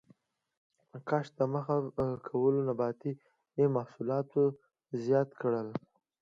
کښت ته مخه کولو نباتي محصولات زیات کړل